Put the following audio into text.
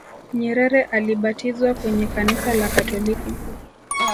nyerere alibatizwa kwenye kanisa la katoliki